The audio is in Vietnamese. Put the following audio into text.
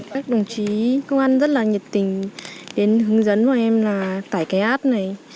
các đồng chí công an rất là nhiệt tình đến hướng dẫn và em là tải cái app này